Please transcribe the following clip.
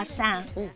うん。